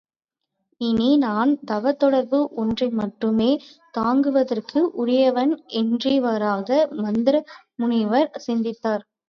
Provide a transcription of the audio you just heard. இனி நான் தவத் தொடர்பு ஒன்றை மட்டுமே தாங்குவதற்கு உரியவன் என்றிவ்வாறாக மந்தர முனிவர் சிந்தித்தார்.